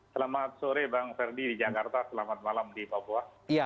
selamat sore bang ferdi di jakarta selamat malam di papua